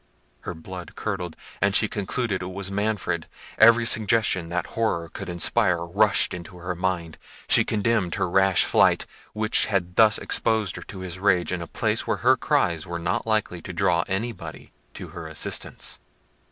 Her blood curdled; she concluded it was Manfred. Every suggestion that horror could inspire rushed into her mind. She condemned her rash flight, which had thus exposed her to his rage in a place where her cries were not likely to draw anybody to her assistance.